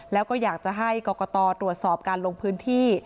แล้วก็อยากจะให้กรกตตรวจสอบการลงพื้นที่